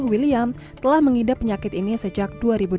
william telah mengidap penyakit ini sejak dua ribu dua belas